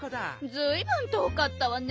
ずいぶんとおかったわね。